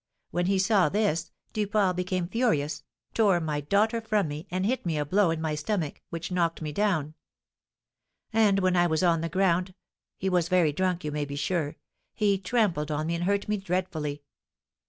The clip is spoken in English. When he saw this, Duport became furious, tore my daughter from me, and hit me a blow in my stomach, which knocked me down; and when I was on the ground he was very drunk, you may be sure he trampled on me and hurt me dreadfully.